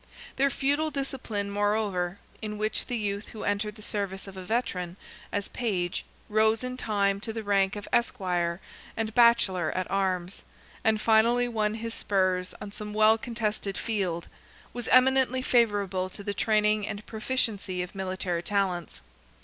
Their feudal discipline, moreover, in which the youth who entered the service of a veteran as page, rose in time to the rank of esquire and bachelor at arms, and finally won his spurs on some well contested field, was eminently favourable to the training and proficiency of military talents.